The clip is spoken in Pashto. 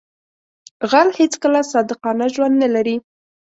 غل هیڅکله صادقانه ژوند نه لري